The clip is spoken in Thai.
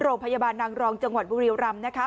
โรงพยาบาลนางรองจังหวัดบุรียรำนะคะ